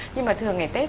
nhưng mà thường ngày tết